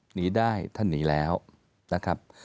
หนีได้ท่านหนีแล้วนะครับ